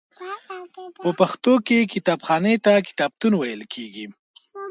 په پښتو کې کتابخانې ته کتابتون ویل کیږی.